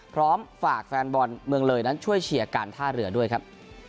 พร้อมฝากแฟนบอลเมืองเลยนั้นช่วยเชียร์การท่าเรือด้วยครับ